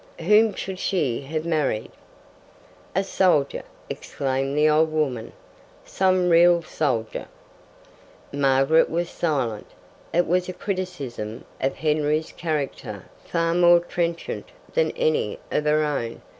"Whom should she have married?" "A soldier!" exclaimed the old woman. "Some real soldier." Margaret was silent. It was a criticism of Henry's character far more trenchant than any of her own.